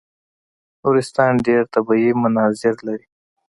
نورستان ډېر طبیعي مناظر لري.